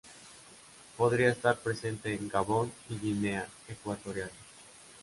Podría estar presente en Gabón y Guinea Ecuatorial.